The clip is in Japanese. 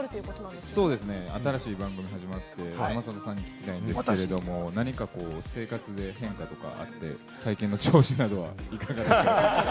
新しい番組が始まって、山里さんに聞きたいんですけれども、何か生活で変化とかあって、最近の調子などはいかがでしょうか？